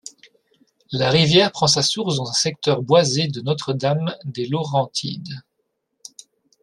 La rivière prend sa source dans un secteur boisé de Notre-Dame-des-Laurentides.